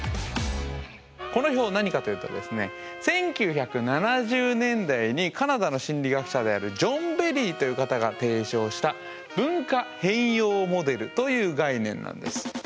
この表何かと言うとですね１９７０年代にカナダの心理学者であるジョン・ベリーという方が提唱した「文化変容モデル」という概念なんです。